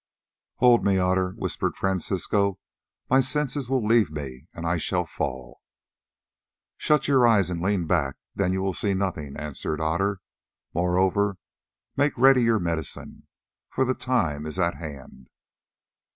"Hold me, Otter," whispered Francisco. "My senses will leave me, and I shall fall." "Shut your eyes and lean back, then you will see nothing," answered Otter. "Moreover, make ready your medicine, for the time is at hand."